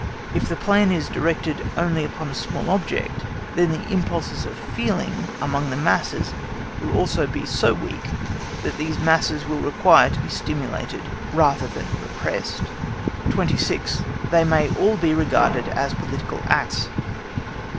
If the plan is directed only upon a small object, then the impulses of feeling amongst the masses will be also so weak that these masses will require to be stimulated rather than repressed. 26. THEY MAY ALL BE REGARDED AS POLITICAL ACTS.